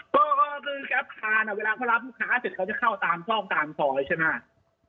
ก็คือแก๊ปทานเวลาเขารับลูกค้าเสร็จเขาจะเข้าตามซอกตามซอยใช่ไหม